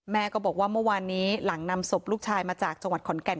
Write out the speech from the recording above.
ก็บอกว่าเมื่อวานนี้หลังนำศพลูกชายมาจากจังหวัดขอนแก่น